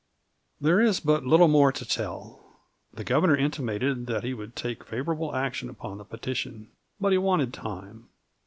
There is but little more to tell. The Governor intimated that he would take favorable action upon the petition, but he wanted time.